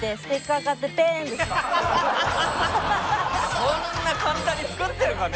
そんな簡単に作ってるかね？